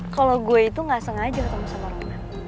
kalo gua itu gak sengaja ketemu sama roman